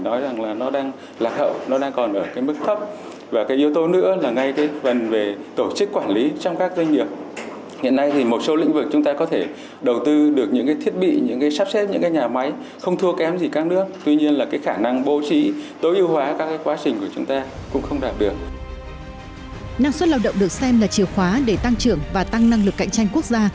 năng suất lao động được xem là chìa khóa để tăng trưởng và tăng năng lực cạnh tranh quốc gia